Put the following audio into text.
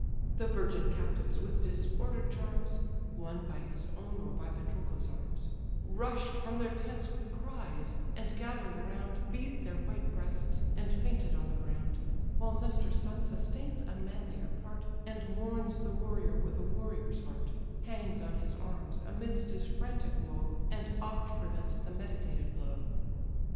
The virgin captives, with disorder'd charms, (Won by his own, or by Patroclus' arms,) Rush'd from their tents with cries; and gathering round, Beat their white breasts, and fainted on the ground: While Nestor's son sustains a manlier part, And mourns the warrior with a warrior's heart; Hangs on his arms, amidst his frantic woe, And oft prevents the meditated blow.